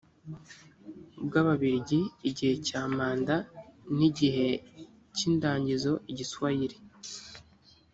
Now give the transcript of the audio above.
bw ababirigi igihe cya manda n igihe k indagizo igiswayire